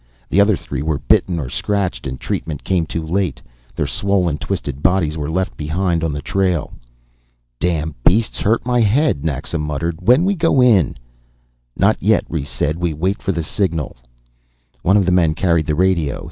The other three were bitten or scratched and treatment came too late. Their swollen, twisted bodies were left behind on the trail. "Dam' beasts hurt m'head," Naxa muttered. "When we go in?" "Not yet," Rhes said. "We wait for the signal." One of the men carried the radio.